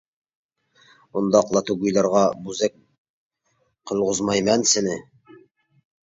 ئۇنداق لاتا گۇيلارغا بوزەك قىلغۇزمايمەن سېنى!